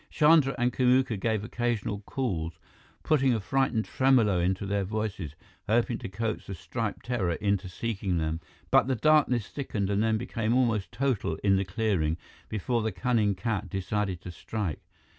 Chandra and Kamuka gave occasional calls, putting a frightened tremolo into their voices, hoping to coax the striped terror into seeking them. But the darkness thickened and then became almost total in the clearing, before the cunning cat decided to strike.